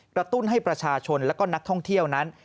ตุ้นให้ประชาชนและก็นักท่องเที่ยวนั้น